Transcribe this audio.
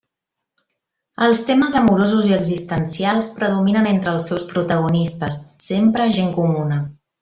Els temes amorosos i existencials predominen entre els seus protagonistes, sempre gent comuna.